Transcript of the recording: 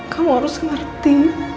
kamu harus ngerti